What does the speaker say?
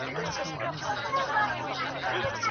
وزارت مسؤلیت لري چې مؤلدین ملاتړ کړي.